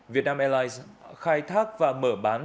vietnam airlines khai thác và mở bán